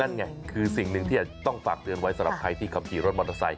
นั่นไงคือสิ่งหนึ่งที่อาจจะต้องฝากเตือนไว้สำหรับใครที่ขับขี่รถมอเตอร์ไซค